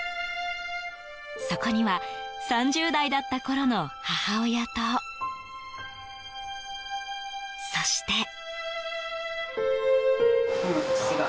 そこには３０代だったころの母親とそして。